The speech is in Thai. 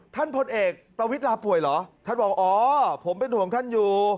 พลเอกประวิทย์ลาป่วยเหรอท่านบอกอ๋อผมเป็นห่วงท่านอยู่